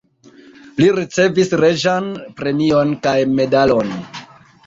Li ricevis reĝan premion kaj medalon.